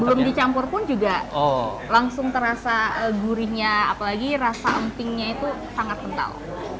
sebelum dicampur pun juga langsung terasa gurihnya apalagi rasa empingnya itu sangat kental